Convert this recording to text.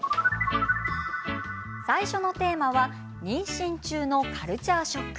最初のテーマは妊娠中のカルチャーショック。